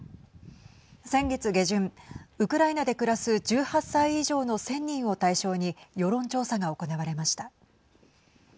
先月下旬ウクライナで暮らす１８歳以上の１０００人を対象に世論調査が行われました。